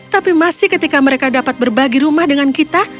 tapi masih ketika mereka dapat berbagi rumah dengan kita